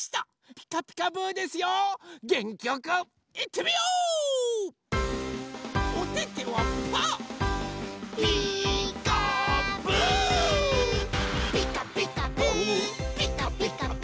「ピカピカブ！ピカピカブ！」